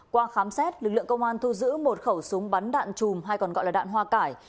qua khám xét lực lượng công an thu giữ một khẩu súng bắn đạn chùm hay còn gọi là đạn hoa cải